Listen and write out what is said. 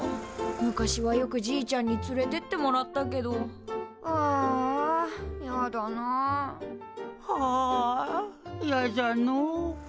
昔はよくじいちゃんに連れてってもらったけどはあやだな。はあやじゃのう。